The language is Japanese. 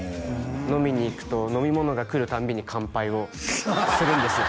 飲みに行くと飲み物が来る度に乾杯をするんですよ